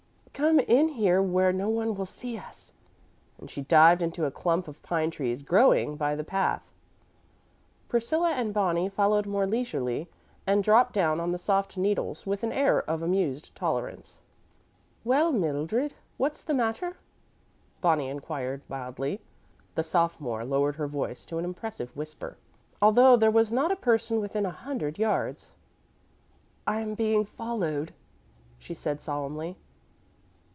"Come in here where no one will see us"; and she dived into a clump of pine trees growing by the path. Priscilla and Bonnie followed more leisurely, and dropped down on the soft needles with an air of amused tolerance. "Well, Mildred, what's the matter?" Bonnie inquired mildly. The sophomore lowered her voice to an impressive whisper, although there was not a person within a hundred yards. "I am being followed," she said solemnly.